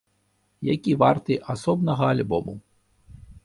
Які варты асобнага альбому.